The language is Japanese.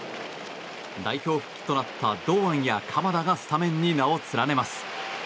代表復帰となった堂安や鎌田がスタメンに名を連ねます。